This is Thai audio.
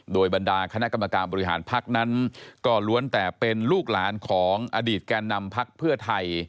โดยบรรดาคณะกรรมการบริหารพักนั้นก็ล้วนแต่เป็นลูกหลานของอดีตแก่นำพักเพื่อไทย